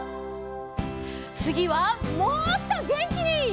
つぎはもっとげんきに！